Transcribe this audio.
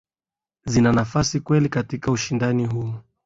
zina nafasi kweli katika ushindani huu